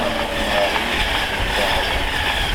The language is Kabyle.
Marie tuɣ-d aɣrum.